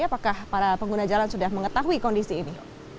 apakah para pengguna jalan sudah mengetahui kondisi ini